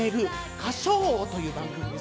『歌唱王』という番組です。